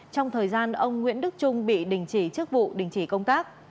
trong thời gian ông nguyễn đức trung bị đình chỉ chức vụ đình chỉ công tác